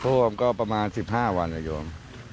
ท่วมก็ประมาณ๑๕วันนะโยม